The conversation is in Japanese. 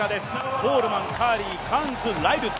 コールマン、カーリー、カーンズ、ライルズ。